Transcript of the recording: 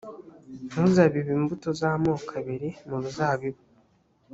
ntuzabibe imbuto z amoko abiri mu ruzabibu